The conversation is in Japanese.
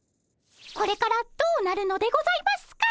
これからどうなるのでございますか？